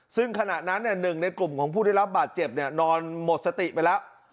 ซึ่งขณะนั้นหนึ่งในกลุ่มของผู้ได้รับบาดเจ็บนอนหมดสติไปแล้ว